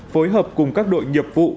phối hợp cùng các đội nhập vụ